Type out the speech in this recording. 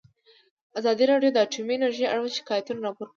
ازادي راډیو د اټومي انرژي اړوند شکایتونه راپور کړي.